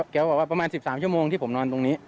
แกบอกว่าประมาณ๑๓ชั่วโมงที่ผมนอนตรงนี้